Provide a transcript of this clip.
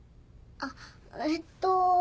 あっえっと。